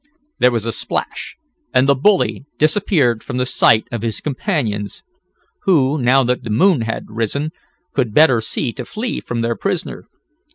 There was a splash, and the bully disappeared from the sight of his companions who, now that the moon had risen, could better see to flee from their prisoner.